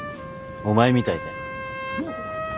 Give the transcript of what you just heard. お前みたいたい。